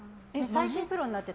最近、プロになって